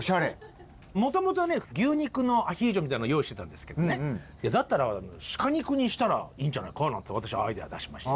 もともとね牛肉のアヒージョみたいの用意してたんですけどねだったらシカ肉にしたらいいんじゃないかなんて私アイデア出しまして。